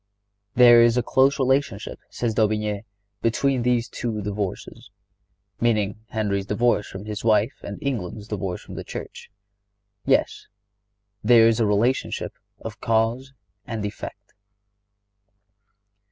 "There is a close relationship," says D'Aubigné, "between these two divorces," meaning Henry's divorce from his wife and England's divorce from the Church. Yes, there is the relationship of cause and effect.